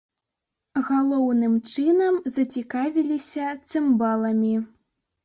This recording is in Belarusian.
Галоўным чынам зацікавіліся цымбаламі.